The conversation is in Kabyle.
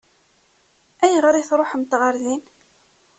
Ayɣer i tṛuḥemt ɣer din?